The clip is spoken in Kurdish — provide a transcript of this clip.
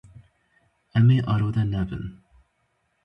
Em ê arode nebin.